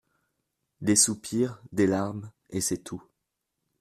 Des soupirs, des larmes, et c'est tout.